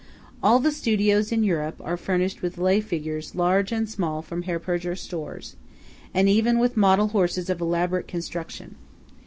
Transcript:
All the studios in Europe are furnished with lay figures large and small from Herr Purger's stores, and even with model horses of elaborate construction.